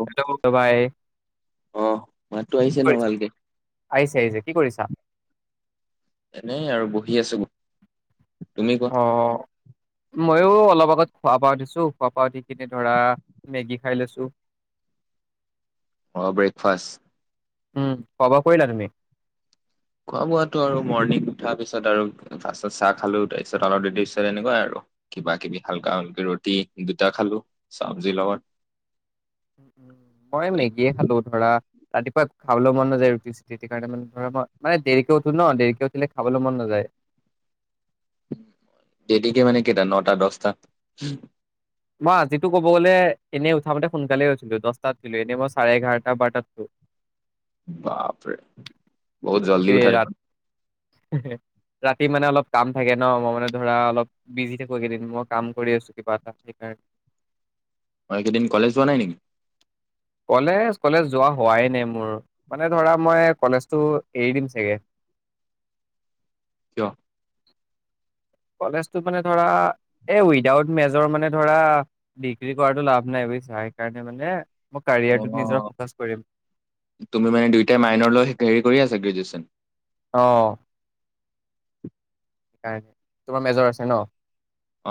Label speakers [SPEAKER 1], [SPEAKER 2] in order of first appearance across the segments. [SPEAKER 1] অ',
[SPEAKER 2] hello দবাই
[SPEAKER 1] মাততো
[SPEAKER 2] কি
[SPEAKER 1] আহিছে ন
[SPEAKER 2] কৰিছা
[SPEAKER 1] ভালকে?
[SPEAKER 2] আহিছে আহিছে কি কৰিছা।
[SPEAKER 1] এনেই আৰু বহি আছোঁ
[SPEAKER 2] অ অ উ। মইয়ো অলপ আগত খোৱা পা উঠিছো খোৱা পা উঠি কেনে কিনে ধৰা মেগী খাই লৈছোঁ।
[SPEAKER 1] অ ব্ৰেকফাষ্ট।
[SPEAKER 2] উম খোৱা বোৱা কৰিলা তুমি।
[SPEAKER 1] খোৱা বোৱাটো আৰু মৰ্ণিং উঠাৰ পিছত আৰু ফাত চাহ খালো তাৰ পিছত অলপ দেৰি পিছত এনেকুৱাই আৰু কিবা কিবি হালকা হালকি ৰুটি দুটা খালো চবজিৰ লগত।
[SPEAKER 2] মই মেগীয়েে খালো ধৰা। ৰাতিপুৱা খাবলৈ মন নাযায় ৰুটি চুটি সেই কাৰণে মানে মানে দেৰিকে উঠো ন দেৰিকে উঠিলে খাবলৈ মন নাযায়।
[SPEAKER 1] তেদিকে মানে কেইটা নটা দহটা।
[SPEAKER 2] মই আজিতো ক'ব গ'লে এনেই উঠামতে সোনকালে উঠিলো দহটাত উঠছিলো এনেই মই চাৰে এঘাৰটা বাৰটাত উঠো।
[SPEAKER 1] বাপৰে বহুত জল্দি উঠাই দে।
[SPEAKER 2] হে হে ৰাতি মানে অলপ কাম থাকে ন মই মানে ধৰা অলপ বিজি থাকো কেইদিন মই কাম কৰি আছো কিবা এটা। সেইকাৰ
[SPEAKER 1] অ এককেইদিন কলেজ যোৱা নাই নেকি।
[SPEAKER 2] কলেজ কলেজ যোৱা হোৱাই নাই মোৰ মানে ধৰা মই কলেজটো এৰি দিম চাগে।
[SPEAKER 1] কিয়।
[SPEAKER 2] কলেজটো মানে ধৰা এই উইদাউট মেজৰ মানে ধৰা ডিগ্ৰী কৰাতটো লাভ নাই বুজিছা সেইকাৰণে মানে। মই
[SPEAKER 1] অ
[SPEAKER 2] কাৰিয়াৰটোত নিজৰ ফকাচ কৰিম
[SPEAKER 1] তুমি মানে দুয়ইটাই মাইনৰ ল হেৰি কৰি আছা গ্ৰেজুৱেচন।
[SPEAKER 2] অ। সাই তোমাৰ মেজৰ আছে ন।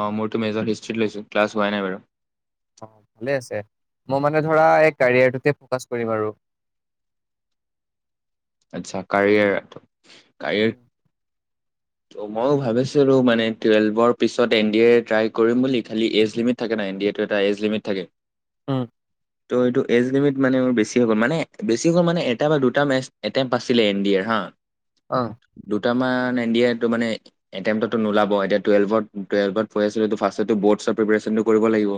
[SPEAKER 1] অঁ মোৰতো মেজৰ হিষ্ট্ৰত লৈছোঁ ক্লাছ হোৱাই নাই বাৰু।
[SPEAKER 2] অ ভালে আছে মই মানে ধৰা এই কেৰিয়াৰটোকে ফকাচ কৰিম আৰু।
[SPEAKER 1] আছা কাৰিয়াৰ কাৰিৰ মইও ভাবিছিলো মানে টুৱেলভৰ পিছত এন ডি এ ট্ৰাই কৰিম বুলি খ এজ লিমিট থাকে ন এন ড এ এ লমিট থাকে।
[SPEAKER 2] উম।
[SPEAKER 1] ত' এইটো এজ লিমিট মানে মোৰ বেছিয়ে গ'ল মানে বেছি হৈ হ'ল মানে এটা বা দুটা মেচ। এটেম্প আছিলে এন ডি এৰ হা।
[SPEAKER 2] অ
[SPEAKER 1] দুটামান এন ডি এৰ টো মানে এটেমটো নোলাব এতিয়া টুৱেল্ভত টুৱেলভতঢ ফাৰ্ষ্ট বৰ্টছৰ পিপেৰচন কৰিব লাগিব।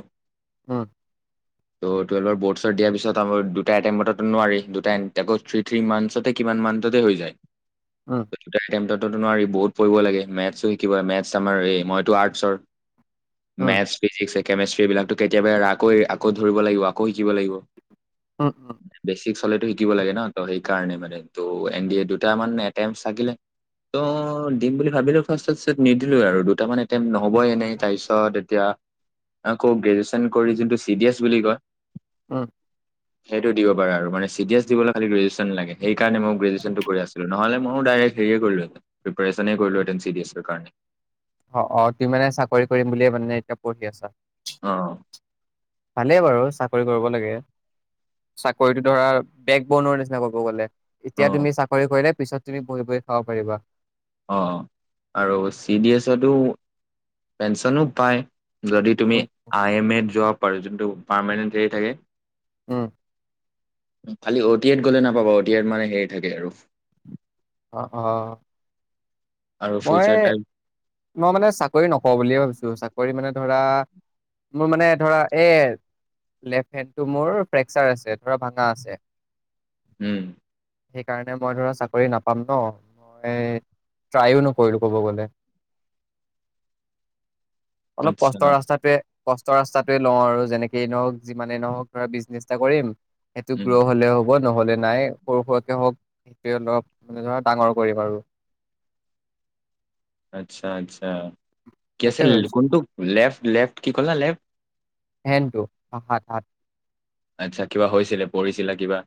[SPEAKER 2] উ
[SPEAKER 1] ত' টুৱেলভ বৰ্ডছ দিয়াৰ পিছত আ দুটা এটেম্পটো নোৱাৰি দুটা থ্ৰী থ্ৰী মান্থ। আাছতে কিমান মানটোতে হৈ যায়।
[SPEAKER 2] উম
[SPEAKER 1] [unintelligible] নোৱাৰি বহুত পঢ়িব লাগে মেথছো শিকিব মেথছ আমাৰ এই মইতো আৰ্টছৰ।
[SPEAKER 2] উম
[SPEAKER 1] মেথছ ফিজিক্। কেমেষ্ট্ৰ্ৰী বিলাকো কেতিয়াবা আকৌ আকৌ ধৰিব লাগিব আকৌ শিকিব লাগিব।
[SPEAKER 2] উ উ
[SPEAKER 1] ফিক্চ হলেতো শিকিব লাগে ন ত সেইটো। সেই কাৰণে মানে ত' এন ডি এ দুটামান এটেনচ চাগিলে ত' দিম বুলি ভাবিলোঁ ফাৰ্ষ্টতত নিদিলোঁ আৰু দুটামান এটেম নহ'বই এনেই তাৰপিছত এতিয়া আকৌ গ্ৰেজুৱেশচন কৰি যোনটো চি ডি এছ বুলি কয়।
[SPEAKER 2] অ
[SPEAKER 1] সেইটো দিব পাৰা আৰু মান চি দি এছ দিবলৈ খ- সেইকাৰণে লাগে সেইকাৰণে মই গ্ৰেজুৱেচন কৰি আছিলোঁ নহ'লে মইও দাইৰেক হেৰী এ কৰিলোঁ হেতেন প্ৰিপ্ৰেচন কৰিলোহেঁতেন চি দি এছৰ কাৰণে।
[SPEAKER 2] অ অ তুমি মানে চাকৰি কৰিম বুলিয়ে মানে এতিয়া পঢ়ি আছা।
[SPEAKER 1] অ
[SPEAKER 2] ভালেই বাৰু চাক চাকৰি কৰিব লাগে চাকৰিতটো ধৰা বেক বনৰ নিচিনা ক'ব গ'লে।
[SPEAKER 1] অ
[SPEAKER 2] এতিয়া তুমি চাকৰি কৰিলে। পিছত তুমি বহি বহি খাব পাৰিবা।
[SPEAKER 1] অ আৰু চি ডি এছতো পেঞ্চনো পায়। যদি তুমি
[SPEAKER 2] উম,
[SPEAKER 1] আই এম এত জব। পাৰে যোনটো পাৰমেণ্ট হেৰি থাকে।
[SPEAKER 2] উম
[SPEAKER 1] খালি অ' টি এত গ'লে নাপাবা অ' টি এত মানে হেৰি থাকে আৰু।
[SPEAKER 2] অ অ
[SPEAKER 1] আৰু
[SPEAKER 2] মই
[SPEAKER 1] ফিউচাৰ টাইম
[SPEAKER 2] মই মানে চাকৰি নকৰোঁ বুলিয়ে ভাবিছোঁ চাক কৰি মানে ধৰা মোৰ মানে ধৰা এ লেফট হেণ্ডটো মোৰ ফ্ৰেকচাৰ আছে ধৰা ভঙা আছে।
[SPEAKER 1] উম
[SPEAKER 2] সেইকাৰণে মই ধৰা চাকৰি নাপাওঁ। পাম ন মই ট্ৰাইও নকৰিলোঁ ক'ব গলে। অলপ
[SPEAKER 1] আচ্ছা
[SPEAKER 2] কষ্টৰ ৰাস্তাটোৱে। কষ্ট ৰাস্তাটোৱে লওঁ আৰু যেনেকেই নহওঁক যিমানেই নহওঁক ধৰা বিজনেছ এটা কৰিম। সেইটো
[SPEAKER 1] উম
[SPEAKER 2] গ্ৰহ হ'লে হ'ব। হ'ব নহ'লে নাই সৰু সুৰাকে হওক সে অলপ। মানে ধৰা ডাঙৰ কৰিম আৰু।
[SPEAKER 1] আচ্ছা আচ্ছা। কি আছে
[SPEAKER 2] সেইটোৱে ভাবিছো
[SPEAKER 1] কোনটো লেফট লেফ্ট কি ক'লা লেফট।
[SPEAKER 2] হেনটো সাত হাত।
[SPEAKER 1] আচ্ছা কিবা হৈছিলে পঢ়িছিলা কিবা।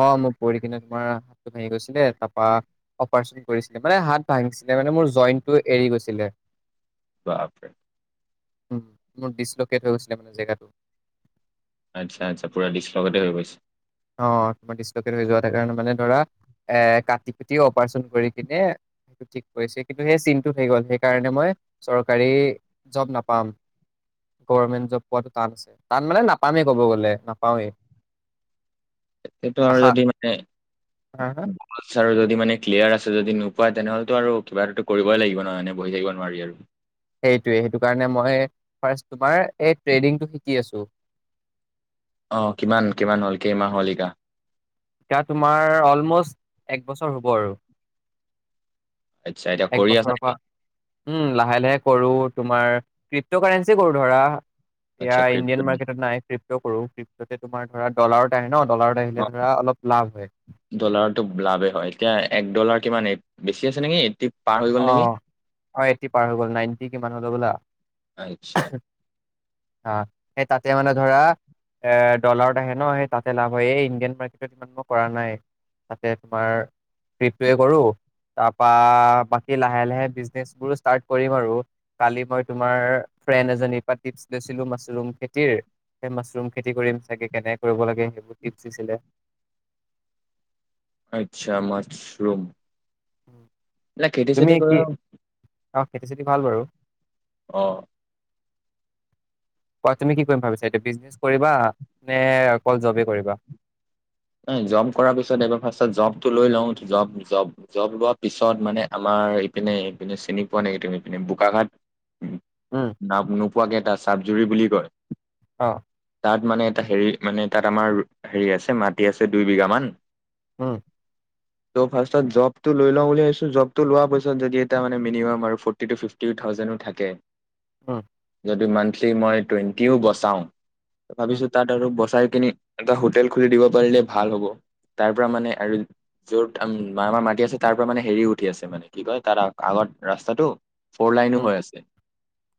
[SPEAKER 2] অ মোৰ পৰি কিনে তোমাৰ হাতটো ভাঙি গৈছিলে তাৰপা অপাৰচন কৰিছিলে মানে হাত ভাঙিছিলে মানে মোৰ জইণ্টটো এৰি গৈছিলে।
[SPEAKER 1] বাপৰে।
[SPEAKER 2] মোৰ ডিছলকেট হৈ গৈছিলে মানে জেগাটো।
[SPEAKER 1] আচ্ছা আচ্ছা পুৰা ডিছ লগতে হৈ গৈছে।
[SPEAKER 2] অ তোমাৰ ডিছলকেট হৈ যোৱা কাৰনে মানে ধৰা এ কাটি কুটি অপাৰচন কৰি কিনে সেইটো ঠিক কৰিছে কিন্তু সেই চিনটো হৈ গ'ল সেইকাৰণে মই চৰকাৰী জব নাপাম গমেণ্ট জব পোৱাটো টান আছে টান মানে নাপামেই ক'ব গ'লে নাপাওঁৱেই।
[SPEAKER 1] সেইটো আৰু এদিন মানে
[SPEAKER 2] হা হা
[SPEAKER 1] বলছ আৰু যদি মানে ক্লিয়াৰ আছে আছে যদি নোপোৱাই তেনেহ'লেতো আৰু কিবা এটা কৰিবই লাগিব নহয় এনে বহি থাকিব নোৱাৰি আৰু।
[SPEAKER 2] সেইটোৱে সেইটো কাৰণে মই ফষ্ট তোমাৰ এই ট্ৰেডিংটো শিকি আছো
[SPEAKER 1] আহ কিমান কিমান হল কেইমাহ হল শিকা।
[SPEAKER 2] শিকা তোমাৰ অলম'ষ্ট একবছৰ হ'ব আৰু
[SPEAKER 1] আচ্ছা এতিয়া কৰি আছা
[SPEAKER 2] একবছৰৰ
[SPEAKER 1] নেকি
[SPEAKER 2] পৰা উম লাহে লাহে কৰো। তোমাৰ টিপকাৰঞ্চি কৰো ধৰা। এতিয়া
[SPEAKER 1] আচ্ছা
[SPEAKER 2] ইণ্ডিয়ান
[SPEAKER 1] ক্ৰিপ্টো
[SPEAKER 2] মাৰ্কেটত নাই ফ্ৰি সৰু তোমাৰ ধৰা ডলাৰৰ আহে ন ডলাৰ আহিলে ধৰা অলপ। হয়।
[SPEAKER 1] ডলাৰতো লাভে হয় এতিয়া এক ডলাৰ। কিমান এই বেছি আছে এটি নেকি এই
[SPEAKER 2] অ অ এটি পাৰ হৈ গল নাইনটি। কিমান [unintelligible]
[SPEAKER 1] আচ্ছা
[SPEAKER 2] অ সেই তাতে মানে ধৰা এ ডলাৰত আহে ন সেই তাতে লাভ হয় এই ইণ্ডিয়ান মাৰ্কেটত ইমান ম কৰা নাই তাতে তোমাৰ প্ৰিপেয়াৰ কৰো তাৰপা বাকী লাহে লাহে বিজনেচবোৰো ষ্টাৰ্ট কৰিম আৰু কালি মই তোমাৰ ফ্ৰেণ্ড এজনীৰ পৰা টিপছ লৈছিলো মাছৰুম খেতিৰ সেই মাছৰুম খেতি কৰিম চাগে কেনে কৰিব লাগে সেইবোৰ টিপছ দিছিলে।
[SPEAKER 1] আচ্ছা মাছৰুম।
[SPEAKER 2] উম [unintelligible]
[SPEAKER 1] নে খেতি চেতি কৰো আও
[SPEAKER 2] অ খেতি চেতি ভাল বাৰু
[SPEAKER 1] আহ
[SPEAKER 2] কোৱা তুমি কি কৰিম ভাবিছা এইটো বিজনেচ কৰিবা নে অকল জবেই কৰিবা
[SPEAKER 1] এই জৰ্ব কৰাৰ পিছত এইবাৰ ফাৰ্ষ্টত জবটো লৈ লওঁ জব জব জব লোৱাৰ পিছত মানে আমাৰ ইপিনে এইপিনে চিনি পোৱা নেকি তুমিপিনে বোকা ঘাট
[SPEAKER 2] উম,
[SPEAKER 1] নাপ। নোপোৱা পোৱা কেইটা চাব জুৰি বুলি কয়
[SPEAKER 2] অ
[SPEAKER 1] তাত মানে এটা হেৰি মানে তাত আমাৰ হেৰি আছে মাত মাটি আছে দুইবিঘা মান
[SPEAKER 2] উম
[SPEAKER 1] ত' ফাৰ্ষ্টত জবটো লৈ লওঁ বুলি ভাবিছোঁ জবটো লোৱাৰ পিছত যদি এয়া মানে মিনিমাম আৰু ফ'ৰ্টি টু ফিফটি থাউজেণ্ডো থাকে
[SPEAKER 2] অ
[SPEAKER 1] যদি মান্থলি মই টুৱেন্টিও বচাওঁ
[SPEAKER 2] উম,
[SPEAKER 1] ভাবিছো তাত আৰু বচাই এটা হোটেল খুলি দিব পাৰিলে ভাল হ'ব তাৰ পৰা মানে আৰু যত আমাৰ মাটি আছে তাৰ পৰা মানে হেৰি উঠি আছে মানে কি কয় তাৰ আগত ৰাস্তাটো ফৰ লাইনো
[SPEAKER 2] উম,
[SPEAKER 1] হৈ আছে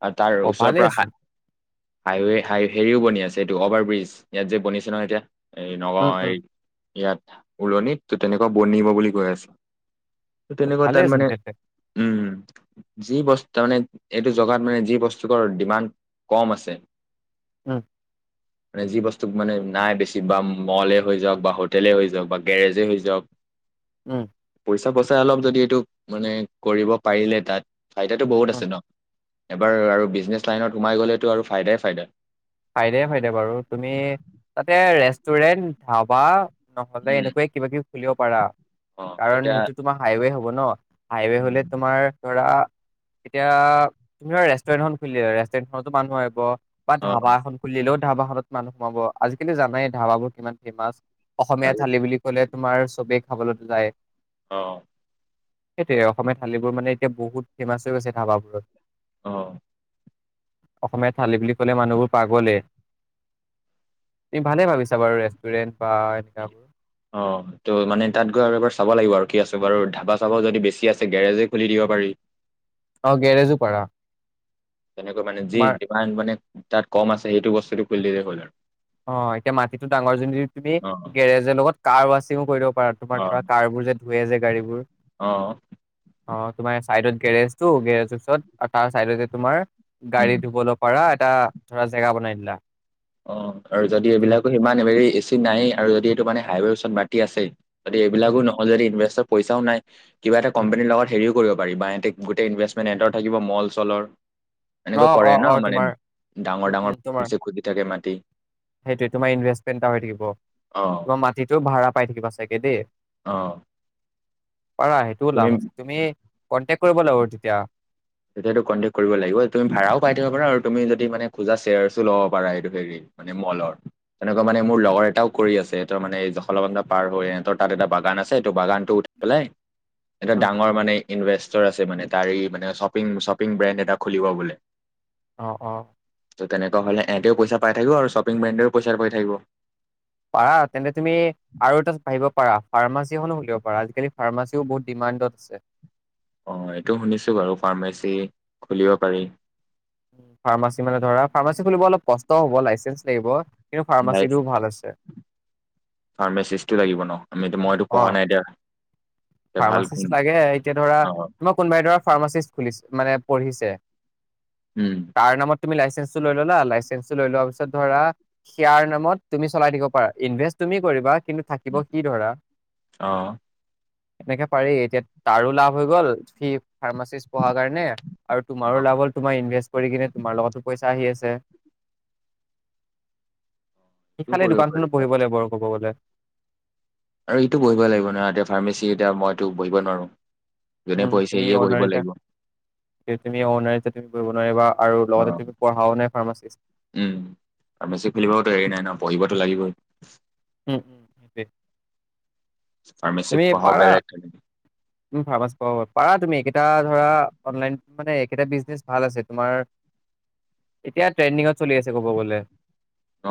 [SPEAKER 1] আৰু তাৰ
[SPEAKER 2] অ'
[SPEAKER 1] ওচৰৰ পৰা হা
[SPEAKER 2] ভালেইচোন।
[SPEAKER 1] হাইৱে হাই হেৰিও বনি আছে এইটো অভাৰ ব্ৰিজ ইয়াত যে বনিছে নহয় এতিয়া। ন
[SPEAKER 2] উম,
[SPEAKER 1] এই
[SPEAKER 2] উম,
[SPEAKER 1] ইয়াত উওলনিত ত তেনেকুৱা বনিব বুলি কৈ আছে। তেনেকুৱা
[SPEAKER 2] ভালেইচোন
[SPEAKER 1] তাৰমানে
[SPEAKER 2] তেন্তে।
[SPEAKER 1] উম। যি বস্তু তামানে এইটো জগাত মানে যি বস্তুকৰ ডিমাণ্ড কম আছে।
[SPEAKER 2] উম
[SPEAKER 1] মানে যি বস্তু মানে নাই বেছি বা মলে হৈ যাওঁক বা হোটেলে হৈ যাওঁক বা গেৰেজে হৈ যাওঁক।
[SPEAKER 2] উম
[SPEAKER 1] পইচা বচাই অলপ যদি এইটো মানে কৰিব পাৰিলে তাত। চাৰিতাটো বহুত
[SPEAKER 2] উম,
[SPEAKER 1] আছে ন। এবাৰ আৰু বিজনেছ লাইনত সোমাই গ'লেতো আৰু ফাইদাই ফাইদা।
[SPEAKER 2] ফাইদাই ফাইদা বাৰু তুমি তাতে ৰেষ্টুৰেণ্ট ধাবা। নহ'লে
[SPEAKER 1] উম
[SPEAKER 2] এনেকুৱায়ে কিবা কিবি। খুলিব পাৰা
[SPEAKER 1] অ
[SPEAKER 2] কাৰণ
[SPEAKER 1] এতিয়া
[SPEAKER 2] সেইটো তোমাৰ হাইৱে হ'ব। হ'ব ন। হাইৱে হ'লে তোমাৰ ধৰা। এতিয়া তুমি ধৰা ৰেষ্টুৰেণ্টখন খুলিলা ৰেষ্টুৰেণ্টখনতো মানুহ আহিব। বা
[SPEAKER 1] অ
[SPEAKER 2] ধাবা খুলিলেও ধাবা হতত মানুহ সোমাব আজিকালি জানাই ধাবোৰ কিমান ফেমাচ। অসমীয়া
[SPEAKER 1] তাকেতো।
[SPEAKER 2] থালি বুলি ক'লে। তোমাৰ চবেই খাবলৈতো যায়ে
[SPEAKER 1] আহ
[SPEAKER 2] সেইটোৱে অসমীয়া থালিবোৰ মানে এতিয়া বহুত ফেমাচ হৈ গৈছে ধাবাবোৰত।
[SPEAKER 1] অ
[SPEAKER 2] অসমীয়া থালি বুলি ক'লে মানুহবোৰ। পাগলে তুমি ভালে ভাবিছা বাৰু ৰেষ্টুৰেন্ট বা এনেকাবোৰ।
[SPEAKER 1] অ ত' মানে তাত গৈ আৰু এবাৰ চাব লাগিব আৰু কি আছে বাৰু ধাবা চাবাও যদি বেছি আছে গেৰেজে খুলি দিব পাৰি।
[SPEAKER 2] অ গেৰেজো পাৰা।
[SPEAKER 1] তেনেকৈ মানে যি
[SPEAKER 2] তোমাৰ
[SPEAKER 1] ডিমাণ্ড মানে। তাত কম আছে সেইটো বস্তুটো খুলি দিলেই হ'ল আৰু।
[SPEAKER 2] অ এতিয়া মাটিটো ডাঙৰ যদি তুমি
[SPEAKER 1] অ
[SPEAKER 2] গেৰেজৰ লগত কাৰ ৱাছিংও কৰি দিব পাৰা তোমাৰ
[SPEAKER 1] অ
[SPEAKER 2] ধৰা কাৰবোৰ যে ধুৱে যে গাড়ীবোৰ।
[SPEAKER 1] অ
[SPEAKER 2] অ তোমাৰ চাইডত গেৰেজটো গেৰেজ ওচৰত তাৰ চাইডত যে তোমাৰ।
[SPEAKER 1] উম
[SPEAKER 2] গাড়ী ধুবলৈ পাৰা এটা। ধৰা জেগা বনাই দিলা।
[SPEAKER 1] অ আৰু যদি
[SPEAKER 2] ঠিক আছে।
[SPEAKER 1] এইবিলাকো সিমানেৰি এ চি নাই আৰু যদি এইটো মানে হাইৱেৰ ওচৰত বা। আছে।
[SPEAKER 2] উম
[SPEAKER 1] এইবিলাকো নহ'লে ইনভেষ্ট পইচাও নাই। কিবা এটা
[SPEAKER 2] উম
[SPEAKER 1] কোম্পানীৰ লগত হেৰিও কৰিব পাৰি বা এহতে গোটেই ইনভেষ্টমেণ্ট এহেতৰ থাকিব মল চলৰ
[SPEAKER 2] অ
[SPEAKER 1] এনেকুৱা কৰে
[SPEAKER 2] অ
[SPEAKER 1] ন
[SPEAKER 2] অ
[SPEAKER 1] মানে
[SPEAKER 2] তোমাৰ
[SPEAKER 1] ডাঙৰ
[SPEAKER 2] উম
[SPEAKER 1] ডাঙৰ
[SPEAKER 2] উম তোমাৰ
[SPEAKER 1] মাটি
[SPEAKER 2] সেইটোৱে তোমাৰ ইনভেষ্টমেণ্ট এটা হৈ থাকিব।
[SPEAKER 1] অ
[SPEAKER 2] তোমাৰ মাটিটো ভাড়া পাই থাকিবা চাগে দেই।
[SPEAKER 1] অ',
[SPEAKER 2] পাৰা সেইটোও লাভ আছে তুমি কে কৰিব লাগিব তেতিয়া।
[SPEAKER 1] তেতিয়াতো কণ্টেক্ট কৰিব লাগিব। তুমি ভাড়াও পাই থাকিব পাৰা আৰু তুমি যদি মানে খোজা চেয়াৰছো ল'ব পাৰা এইটো হেৰি মানে মলৰ তেনেকুৱা মানে মোৰ
[SPEAKER 2] উম,
[SPEAKER 1] লগৰ এটাও কৰি আছে এ ত মানে এই জখলাবন্ধা পাৰ হয় সিহতৰ তাত এটা বাগান আছে ত বাগানটো উঠি পেলাই এটা
[SPEAKER 2] উম।
[SPEAKER 1] ডাঙৰ মানে ইনভেষ্টৰ আছে মানে তাৰে মানে চব শ্বপিং শ্বপিং ব্ৰেণ্ড এটা খুলিব বুলি।
[SPEAKER 2] অ' অ'
[SPEAKER 1] ত' তেনেকুৱ হ'লে ইহতেও পইচা পাই থাকিব আৰু শ্বপিং ব্ৰেণ্ডেও পইচা পাই থাকিব
[SPEAKER 2] পাৰা তেন্তে তুমি আৰু এটা আহিব পাৰা ফাৰ্মাচ উ পাৰ আজাকালি ফাৰ্মা [inaudible] ও বহুত ডিমাণ্ডত আছে।
[SPEAKER 1] অ' এইটো শুনিছো বাৰু ফাৰ্মাচী খুলিব পাৰি।
[SPEAKER 2] ফাৰ্মাচী মানে ধৰা ফাৰ্মাচী খুলিব অলপ কষ্ট হব লাইচেন্ঞ্চ লাগিব। কিন্তু
[SPEAKER 1] নাই
[SPEAKER 2] ফাৰ্মাচীটো ভাল আছে
[SPEAKER 1] ফাৰ্মাচিজটো লাগিব ন। আমি মইতো পঢ়া
[SPEAKER 2] অ'
[SPEAKER 1] নাই এতিয়া এতিয়া ভাল
[SPEAKER 2] ফাৰ্মাচিষ্ট
[SPEAKER 1] কোন
[SPEAKER 2] লাগে এতিয়া ধৰা
[SPEAKER 1] অ
[SPEAKER 2] তোমাৰ কোনোবাই ধৰা ফাৰ্মাচিষ্ট খুলিছে। মানে পঢ়িছে।
[SPEAKER 1] উম
[SPEAKER 2] তাৰ নামত তুমি লাইচেন্স টো লৈ ল'লা লাইচেন্স টো লৈ লোৱা পিছত ধৰা সিয়াৰ নামত তুমি চলাই থাকিব পাৰা ইনভেষ্ট তুমি কৰিবা কিন্তু থাকিব সি ধৰা।
[SPEAKER 1] অ'
[SPEAKER 2] এনেকে পাৰি এতিয়া তাৰো লাভ হৈ গল সি ফাৰ্মাচিষ্ট পঢ়াৰ কাৰণে। আৰু তোমাৰ
[SPEAKER 1] অ'
[SPEAKER 2] লাভ হ'ল তোমাৰ ইনভেষ্ট কৰি কিনে তোমাৰ লগতো পইচা আহি আছে। সি
[SPEAKER 1] এইটো
[SPEAKER 2] খালি
[SPEAKER 1] কৰিব
[SPEAKER 2] দোকানখনত
[SPEAKER 1] পাৰি
[SPEAKER 2] পঢ়িব লাগিব আৰু ক'ব গ'লে।
[SPEAKER 1] আৰু এইটো বহিব লাগিব নহয় এতিয়া ফাৰ্মেচী এতিয়া মইতো বহিব নোৱাৰো। যোনে
[SPEAKER 2] উ
[SPEAKER 1] পঢ়িছে
[SPEAKER 2] তুমি
[SPEAKER 1] ইয়ে বহিব
[SPEAKER 2] অনাৰ
[SPEAKER 1] লাগিব
[SPEAKER 2] তুমি অনাৰ তুমি কৰিব নোৱাৰিবা আৰু
[SPEAKER 1] অ
[SPEAKER 2] লগতে তুমি পঢ়াও নাই ফাৰ্মাচিষ্ট
[SPEAKER 1] উম ফাৰ্মাচী খুলিবওতো হেৰি নাই ন পঢ়িবতো লাগিবই
[SPEAKER 2] উম উম
[SPEAKER 1] ফাৰ্মাচী
[SPEAKER 2] তুমি
[SPEAKER 1] পঢ়াও
[SPEAKER 2] পাৰা
[SPEAKER 1] বেলেগ
[SPEAKER 2] ফাৰ্মাচ পাব। পাৰা তুমি এইেইটা ধৰা অনলাইন মানে এইটা বিজনেচ ভাল আছে। তোমাৰ এতিয়া ট্ৰেণ্ডিঙত চলি আছে কব গ'লে।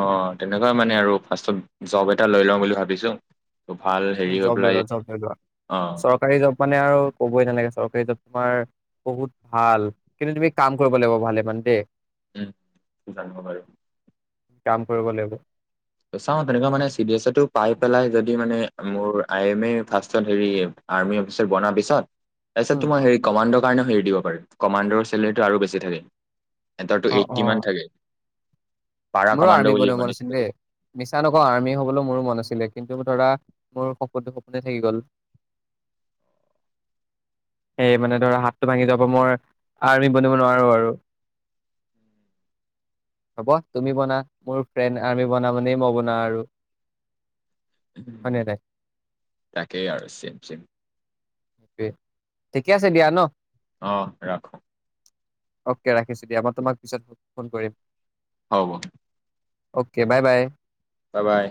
[SPEAKER 1] অ' তেনেকুৱাই মানে আৰু ফাৰ্ষ্টত জব এটা লৈ লওঁ বুলি ভাবিছো ত ভাল
[SPEAKER 2] উ
[SPEAKER 1] হেৰি হৈ
[SPEAKER 2] জব লৈ
[SPEAKER 1] পেলাই
[SPEAKER 2] লোৱা জব লৈ লোৱা
[SPEAKER 1] অ
[SPEAKER 2] চৰকাৰী জব মানে আৰু কবই নালাগে। চৰকাৰী জব তোমাৰ বহুত ভাল কিন্তু তুমি কাম কৰিব লাগিব ভালে মানে দেই।
[SPEAKER 1] উম জানো বাৰু
[SPEAKER 2] কাম কৰিব লাগিব।
[SPEAKER 1] চাওঁ তেনেকুৱা মানে চিৰিছটো পাই পেলাই যদি মানে মোৰ আই এম এ ফাৰ্ষত হেৰি আৰ্মি অফিচাৰ বনা পিছত তাৰপিছত
[SPEAKER 2] উম,
[SPEAKER 1] তোমাৰ হেৰি কমাণ্ডৰ কাৰণেও হেৰি দিব পাৰে। কমাণ্ডৰ চেললেৰীটো আৰু বেছি থাকে। এ সেতৰ তো
[SPEAKER 2] অ',
[SPEAKER 1] এইট্টি
[SPEAKER 2] অ',
[SPEAKER 1] মান থাকে। পাৰা
[SPEAKER 2] মোৰো
[SPEAKER 1] কমাণ্ড
[SPEAKER 2] আৰ্মি
[SPEAKER 1] বুলি
[SPEAKER 2] বনিব
[SPEAKER 1] মানে
[SPEAKER 2] মন আছিল দেই। মিছা নকওঁ আৰ্মি হবলৈ মোৰো মন আছিলে কিন্তু ধৰা মোৰ সপোনটো সপোনে থাকি গল এই মানে ধৰা হাতটো ভাঙি যাব মই আৰ্মি বনিব নোৱাৰো আৰু হ'ব তুমি বনা মোৰ ফ্ৰেণ্ড আৰ্মি বনা মানেই মই বনা আৰু হয় নে নাই?
[SPEAKER 1] তাকেই আৰু চিম চিম
[SPEAKER 2] ঠিকে আছে দিয়া ন
[SPEAKER 1] অ' ৰাখো
[SPEAKER 2] অকে ৰাখিছো দিয়া মই তোমাক পিছত ফোন কৰিম।
[SPEAKER 1] হ'ব।
[SPEAKER 2] Okay bye bye.
[SPEAKER 1] বাই বাই।